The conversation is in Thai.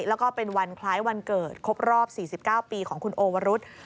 แล้วก็เป็นวันคล้ายวันเกิดครบรอบ๔๙ปีของคุณโอวรุษ